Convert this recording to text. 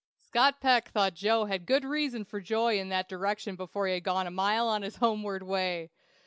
Scott Peck thought Joe had good reason for joy in that direction before he had gone a mile on his homeward way!